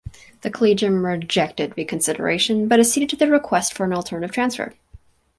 The collegium rejected reconsideration but acceded to the request for an alternative transfer.